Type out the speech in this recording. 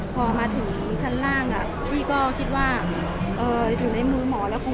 พอมาถึงชั้นล่างพี่ก็คิดว่าอยู่ในมูลหมอก็ไม่เป็นไร